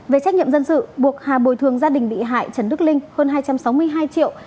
về trách nhiệm dân sự buộc hà bồi bồi thường gia đình bị hại trần đức linh hơn hai trăm sáu mươi hai triệu